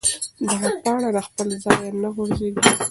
دغه پاڼه له خپل ځایه نه غورځېږي.